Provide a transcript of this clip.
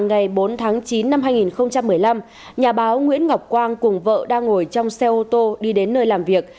ngày bốn tháng chín năm hai nghìn một mươi năm nhà báo nguyễn ngọc quang cùng vợ đang ngồi trong xe ô tô đi đến nơi làm việc